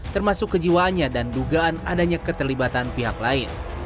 termasuk kejiwaannya dan dugaan adanya keterlibatan pihak lain